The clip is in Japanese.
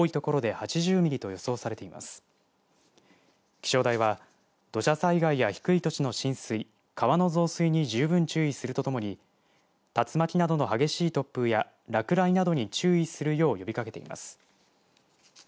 気象台は土砂災害や低い土地の浸水川の増水に十分注意するとともに竜巻などの激しい突風や落雷などに注意するよう呼びかけています。